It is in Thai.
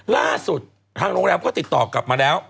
ล่าสุดทางโรงแรมก็ติดต่อกลับมาแล้ว